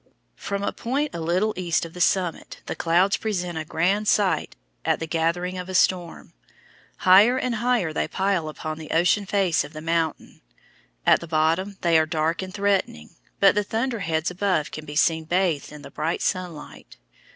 From a point a little east of the summit the clouds present a grand sight at the gathering of a storm. Higher and higher they pile upon the ocean face of the mountains. At the bottom they are dark and threatening, but the thunder heads above can be seen bathed in the bright sunlight.